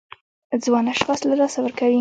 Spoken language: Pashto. ځوان اشخاص له لاسه ورکوي.